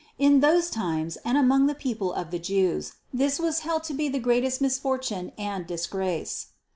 In those times and among the people of the Jews this was held to be the greatest misfortune and disgrace.